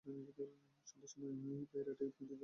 সন্ধ্যার সময় পায়রাটি একটি যয়তুন পাতা মুখে করে ফিরে আসে।